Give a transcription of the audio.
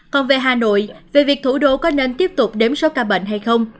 còn về hà nội về việc thủ đô có nên tiếp tục đếm số ca bệnh hay không